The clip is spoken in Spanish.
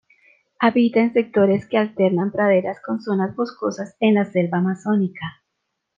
Habita en sectores que alternan praderas con zonas boscosas en la selva amazónica.